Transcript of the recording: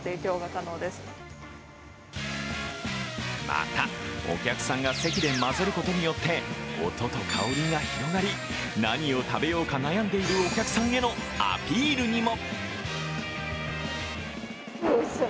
また、お客さんが席で混ぜることによって音と香りが広がり何を食べようか悩んでいるお客さんへのアピールにも。